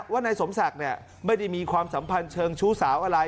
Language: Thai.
ว่านายสมศักดิ์ไม่ได้มีความสัมพันธ์เชิงชู้สาวอะไร